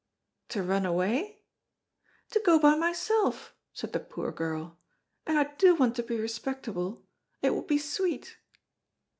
"To run away?" "To go by myself," said the poor girl, "and I do want to be respectable, it would be sweet."